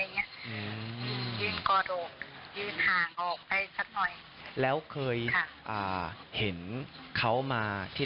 หน้าตาก็ไม่ได้ยิ้มแย้มหน้าตาก็ไม่ได้ยิ้มแย้มหน้าตาก็ไม่ได้ยิ้มแย้ม